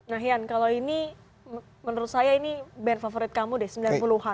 nah hian kalau ini menurut saya ini band favorit kamu deh sembilan puluh an